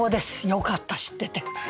よかった知ってて。